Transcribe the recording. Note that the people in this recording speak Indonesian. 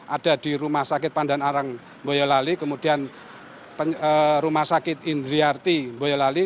ada di rumah sakit pandanarang mboyo lali kemudian rumah sakit indriarti mboyo lali